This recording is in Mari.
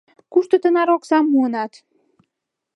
— Кушто тынар оксам муынат?